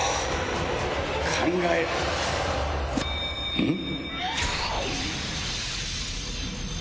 うん？